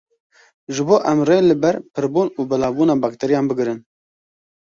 Ji bo em rê li ber pirbûn û belavbûna bakteriyan bigirin.